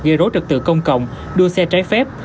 gây rối trật tự công cộng đua xe trái phép